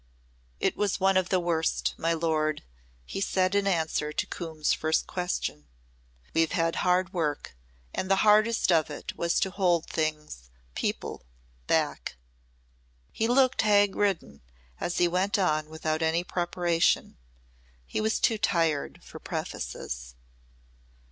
"It was one of the worst, my lord," he said in answer to Coombe's first question. "We've had hard work and the hardest of it was to hold things people back." He looked hag ridden as he went on without any preparation. He was too tired for prefaces.